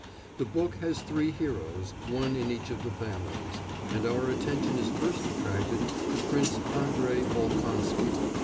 The book has three heroes, one in each of the families, and our attention is first attracted to Prince Andrei Bolkonsky.